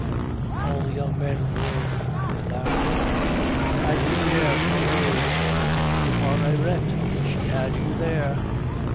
All the young men roared with laughter. "Had you there, Poiret!" "Poir r r rette! she had you there!"